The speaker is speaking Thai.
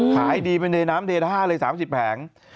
ขายดีไปในน้ำเดท่าเลย๓๐แผง